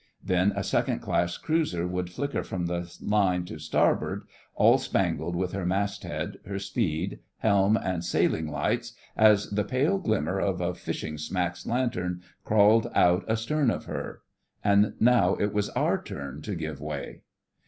Then a second class cruiser would flicker from the line to starboard, all spangled with her mast head, her speed, helm, and sailing lights as the pale glimmer of a fishing smack's lantern crawled out astern of her: And now it was our turn to give way.